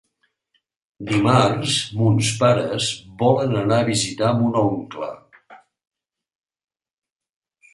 Dimarts mons pares volen anar a visitar mon oncle.